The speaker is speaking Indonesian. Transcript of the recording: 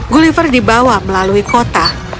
gulliver dibawa melalui kota